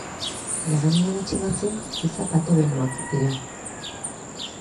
Legamia gutxi batzuk giza-patogenoak dira.